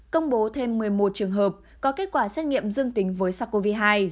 công bố thêm một mươi một trường hợp có kết quả xét nghiệm dương tính với sars cov hai